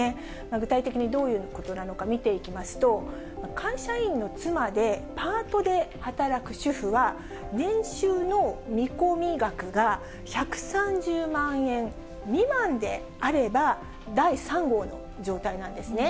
具体的にどういうことなのか見ていきますと、会社員の妻でパートで働く主婦は、年収の見込み額が１３０万円未満であれば、第３号の状態なんですね。